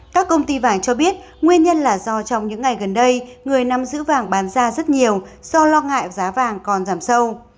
các công ty vàng cho biết nguyên nhân là do trong những ngày gần đây người nắm giữ vàng bán ra rất nhiều do lo ngại giá vàng còn giảm sâu